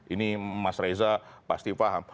ini mas reza pasti paham